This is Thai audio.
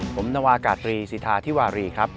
ผมนวากาตรีสิทธาธิวารีครับ